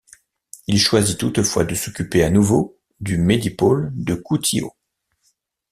Il choisit toutefois de s'occuper à nouveau du Médipôle de Koutio.